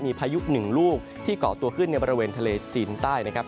มีพายุหนึ่งลูกที่เกาะตัวขึ้นในบริเวณทะเลจีนใต้นะครับ